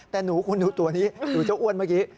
แต่หนูคุณดูตัวนี้หนูเจ้าอ้วนเมื่อกี้